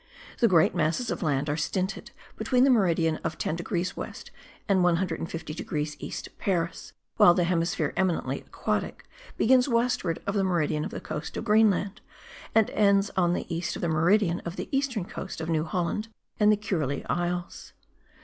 The great masses of land are stinted between the meridian of 10 degrees west, and 150 degrees east of Paris, while the hemisphere eminently aquatic begins westward of the meridian of the coast of Greenland, and ends on the east of the meridian of the eastern coast of New Holland and the Kurile Isles.